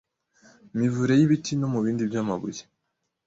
mivure y ibiti no mu bibindi by amabuye